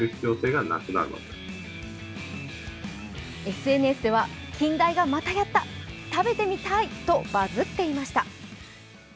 ＳＮＳでは、近大がまたやった、食べてみたいとバズっていました。